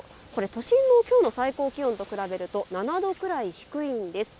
都心のきょうの最高気温と比べると７度くらい低いんです。